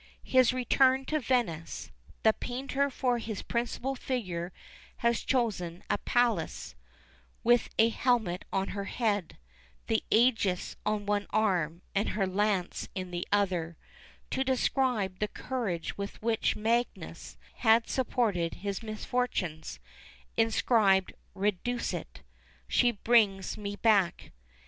His return to Venice. The painter for his principal figure has chosen a Pallas, with a helmet on her head, the ægis on one arm, and her lance in the other, to describe the courage with which Magius had supported his misfortunes, inscribed Reducit "She brings me back."